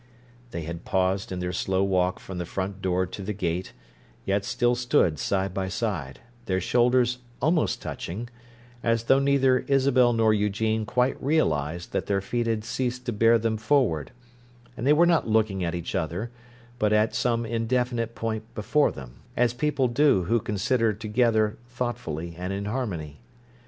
They had paused in their slow walk from the front door to the gate, yet still stood side by side, their shoulders almost touching, as though neither Isabel nor Eugene quite realized that their feet had ceased to bear them forward; and they were not looking at each other, but at some indefinite point before them, as people do who consider together thoughtfully and in harmony.